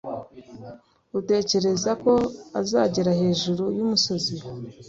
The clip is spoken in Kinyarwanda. uratekereza ko azagera hejuru yumusozi